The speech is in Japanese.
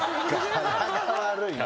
柄が悪いな。